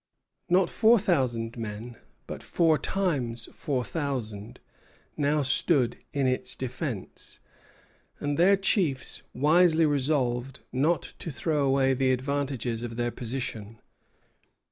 Not four thousand men, but four times four thousand, now stood in its defence; and their chiefs wisely resolved not to throw away the advantages of their position.